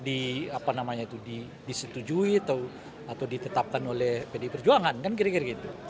itu disetujui atau ditetapkan oleh pdi perjuangan kan kira kira gitu